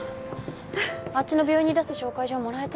あっちの病院に出す紹介状もらえた？